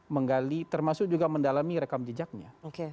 menggali termasuk juga mendalami rekam jejaknya